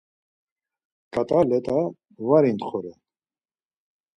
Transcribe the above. ǩat̆a let̆a var intxoren.